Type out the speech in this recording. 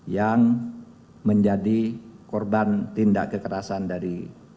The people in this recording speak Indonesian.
yang menjadi korban tindak kekerasan dari